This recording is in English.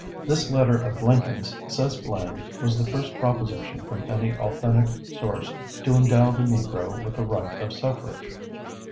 This letter of Lincoln's, says Blaine, was the first proposition from any authentic source to endow the Negro with the right of suffrage.